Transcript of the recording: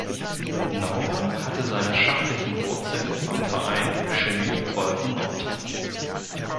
Naumann hatte seine schachlichen Wurzeln beim Verein "Chemie Wolfen-Nord".